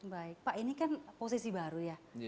baik pak ini kan posisi baru ya